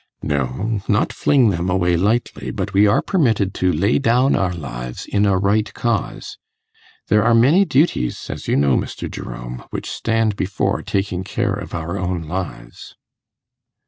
'No, not fling them away lightly, but we are permitted to lay down our lives in a right cause. There are many duties, as you know, Mr. Jerome, which stand before taking care of our own lives.